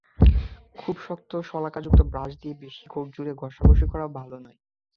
খুব শক্ত শলাকাযুক্ত ব্রাশ দিয়ে বেশি জোরে ঘষাঘষি করা ভালো নয়।